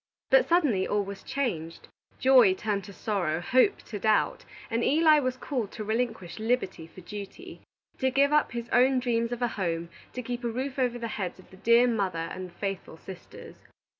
But suddenly all was changed; joy turned to sorrow, hope to doubt, and Eli was called to relinquish liberty for duty, to give up his own dreams of a home, to keep a roof over the heads of the dear mother and the faithful sisters.